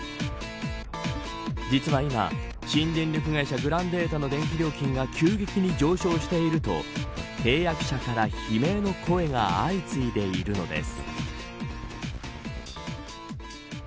実は今、新電力会社グランデータの電気料金が急激に上昇していると契約者から悲鳴の声が相次いでいるのです。